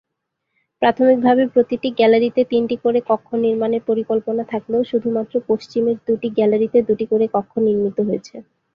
প্রাথমিকভাবে প্রতিটি গ্যালারিতে তিনটি করে কক্ষ নির্মাণের পরিকল্পনা থাকলেও শুধুমাত্র পশ্চিমের দুটি গ্যালারিতে দুটি করে কক্ষ নির্মিত হয়েছে।